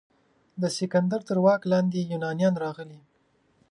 د سکندر تر واک لاندې یونانیان راغلي.